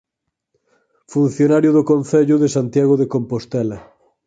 Funcionario do concello de Santiago de Compostela.